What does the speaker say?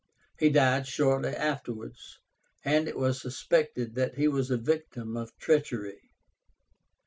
He died shortly afterwards, and it was suspected that he was a victim of treachery.